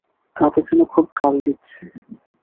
কাকে যেন খুব গাল দিচ্ছে।